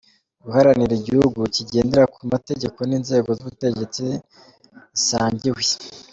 – Guharanira igihugu kigendera ku mategeko n’inzego z’ubutegetsi zisangiwe